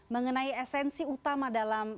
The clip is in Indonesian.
mengenai esensi utama dalam